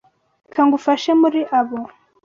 Reka ngufashe muri abo.